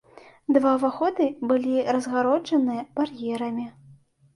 Два ўваходы былі разгароджаныя бар'ерамі.